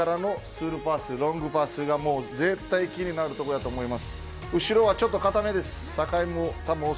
柴崎選手からのスルーパスロングパスがもう絶対気になるところだと思います。